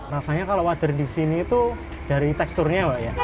rasanya kalau water di sini itu dari teksturnya pak ya